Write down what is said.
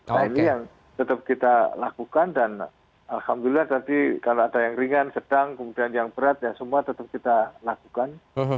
nah ini yang tetap kita lakukan dan alhamdulillah tadi kalau ada yang ringan sedang kemudian yang berat ya semua tetap kita lakukan